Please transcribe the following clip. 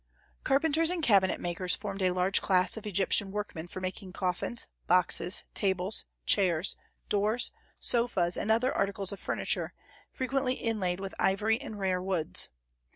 Carpenters and cabinet makers formed a large class of Egyptian workmen for making coffins, boxes, tables, chairs, doors, sofas, and other articles of furniture, frequently inlaid with ivory and rare woods.